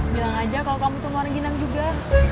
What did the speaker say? bilang aja kalau kamu tuh orang ginang juga